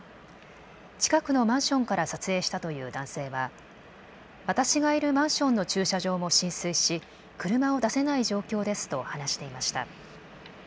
近くのマンションから撮影したという男性は私がいるマンションの駐車場も浸水し車を出せない状況ですと話していました。